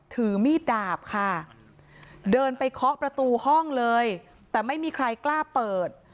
ถือมีดดาบค่ะเดินไปเคาะประตูห้องเลยแต่ไม่มีใครกล้าเปิด